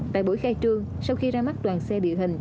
tại buổi khai trương sau khi ra mắt đoàn xe địa hình